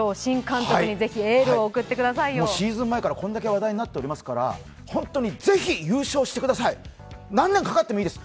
シーズン前からこれだけ話題になっていますから本当にぜひ優勝してください、何年かかってもいいです。